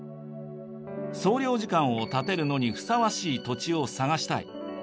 総領事館を建てるのにふさわしい土地を探したい。